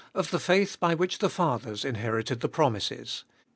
of the faith by which the fathers inherited the promises.